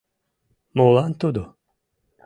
— Молан тудо?